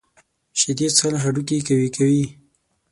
شیدې څښل هډوکي قوي کوي.